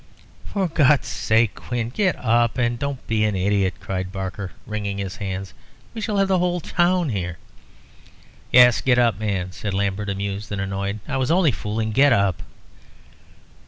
"For God's sake, Quin, get up, and don't be an idiot," cried Barker, wringing his hands; "we shall have the whole town here." "Yes, get up, get up, man," said Lambert, amused and annoyed. "I was only fooling; get up."